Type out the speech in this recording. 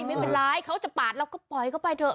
ไม่เป็นไรเขาจะปาดเราก็ปล่อยเข้าไปเถอะ